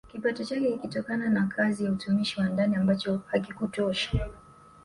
Kipato chake kikitokana na kazi ya utumishi wa ndani ambacho hakikutosha